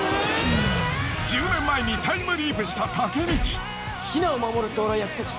１０年前にタイムリープしたタケミチ。